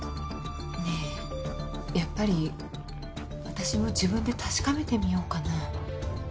ねえやっぱり私も自分で確かめてみようかな？